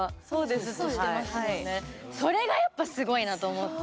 それがやっぱすごいなと思って。